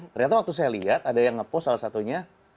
ternyata waktu saya lihat ada yang ngepost salah satunya